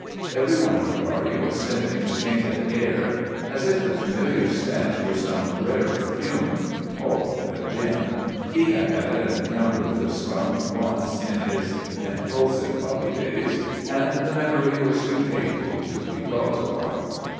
Every one of the party was sniffing the tainted air as if the familiar stench were some rare perfume—all but Jim. He had had an encounter with a skunk, once in his impulsive puppy days, and the memory was too painful to be dwelt upon.